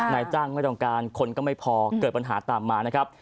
นายจ้างไม่ต้องการคนก็ไม่พอเกิดปัญหาตามมานะครับ